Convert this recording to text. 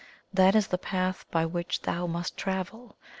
"That is the path by which THOU must travel.